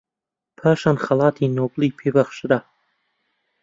پاشان خەڵاتی نۆبێلی پێ بەخشرا